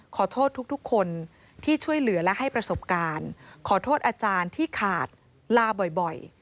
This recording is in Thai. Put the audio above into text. ขอโทษทุกคนที่ช่วยเหลือและให้ประสบการณ์ขอโทษอาจารย์ที่ขาดลาบ่อย